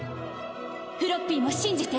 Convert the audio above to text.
フロッピーも信じて。